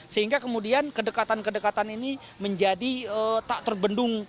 sehingga kemudian kedekatan kedekatan ini menjadi tak terbendung